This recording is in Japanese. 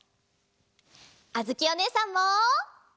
あづきおねえさんも。